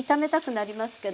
なります。